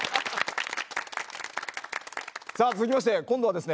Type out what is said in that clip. さあ続きまして今度はですね